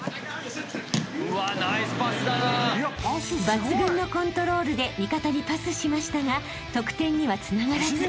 ［抜群のコントロールで味方にパスしましたが得点にはつながらず］